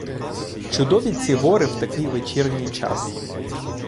Чудові ці гори в такий вечірній час!